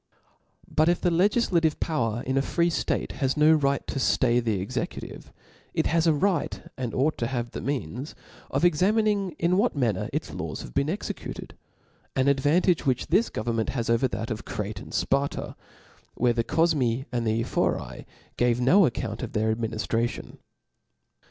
But if the legiflative power in a free ftate, has no right to (lay the executive, it has a right and ought to have the means of examining in what manner its laws have bpen executed ; an advantage which this government has over that of Crete and Sparta, where the Cofmi and the Ephori gave no account of their adminidration.